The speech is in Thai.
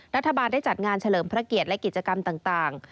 รัฐบาลได้จัดงานเฉลิมพระเกียรติและกิจกรรมต่าง